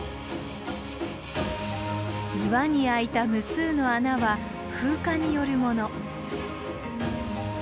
岩に開いた無数の穴は風化によるもの。